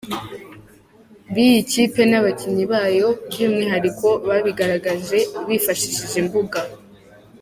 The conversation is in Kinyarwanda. biyi kipe nabakinnyi bayo byumwihariko babigaragaje bifashishije imbuga.